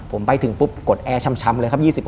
ผมไปถึงปุ๊บกดแอร์ช้ำเลยครับ